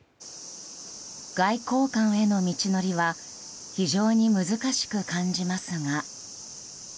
外交官への道のりは非常に難しく感じますが。